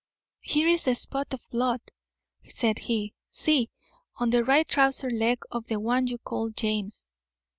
"Here is a spot of blood," said he. "See! on the right trouser leg of the one you call James.